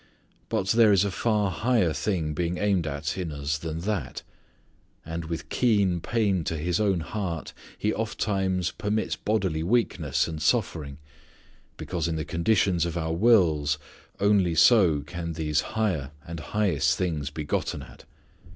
But there is a far higher thing being aimed at in us than that. And with keen pain to His own heart, He oft times permits bodily weakness and suffering because in the conditions of our wills only so can these higher and highest things be gotten at.